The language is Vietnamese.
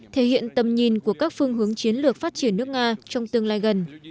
thể hiện tầm nhìn của các phương hướng chiến lược phát triển nước nga trong tương lai gần